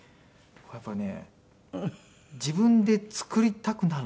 やっぱりね自分で作りたくなるんですよね